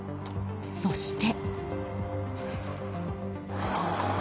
そして。